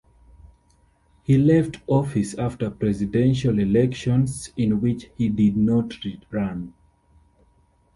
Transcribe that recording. He left office after presidential elections in which he did not run.